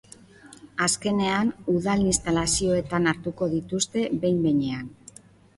Azkenean, udal instalazioetan hartuko dituzte, behin behinean.